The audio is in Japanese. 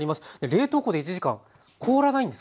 冷凍庫で１時間凍らないんですか？